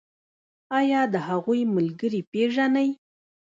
ایا د هغوی ملګري پیژنئ؟